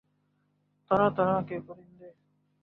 طرح طرح کے پرندے